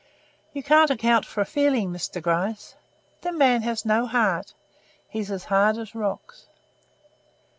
"You can't account for a feeling, Mr. Gryce. The man has no heart. He's as hard as rocks."